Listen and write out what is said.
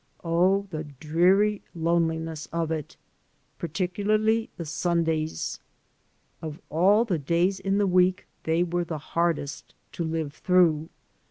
Oh, the dreary loneliness of it! Particularly the Sundays. Of all the days in the week they were the hardest to live through.